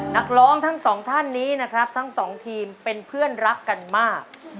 นักร้องทั้งสองท่านนี้นะครับทั้งสองทีมเป็นเพื่อนรักกันมาก